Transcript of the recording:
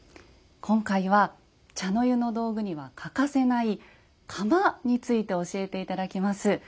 今回は茶の湯の道具には欠かせない釜について教えて頂きます。